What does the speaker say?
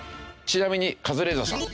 ちなみにカズレーザーさん